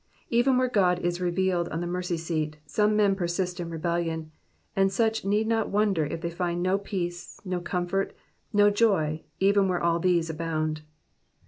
Even where God is revealed on the mercy seat, some men persist in rebellion, and such need not wonder if they find no peace, no comfort, no joy, even where all these abound.